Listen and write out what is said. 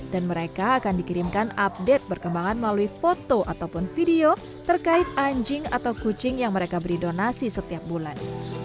dan mereka akan dikirimkan update berkembangan melalui foto ataupun video terkait anjing atau kucing yang mereka beri donasi setiap bulan